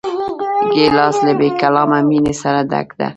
ګیلاس له بېکلامه مینې سره ډک وي.